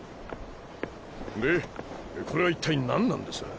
でこれは一体何なんです？